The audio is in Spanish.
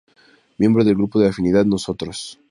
Miembro del grupo de afinidad "Nosotros".